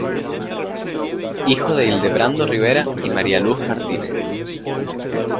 Hijo de Hildebrando Rivera y María Luz Martínez.